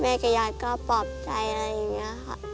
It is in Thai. กับญาติก็ปลอบใจอะไรอย่างนี้ค่ะ